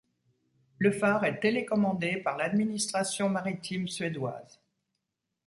Le phare est télécommandé par l'Administration maritime suédoise.